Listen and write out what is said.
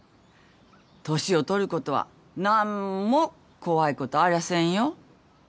年を取ることは何も怖いことありゃせんよ。